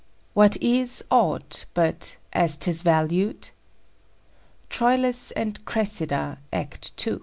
"What is aught, but as 'tis valued?" Troilus and Cressida, Act II.